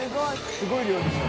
すごい量でしょ。